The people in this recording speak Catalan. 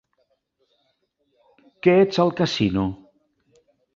Que ets al casino?